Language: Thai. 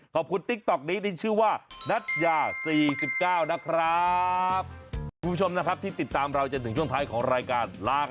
ติ๊กต๊อกนี้ที่ชื่อว่านัทยา๔๙นะครับ